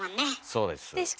そうです。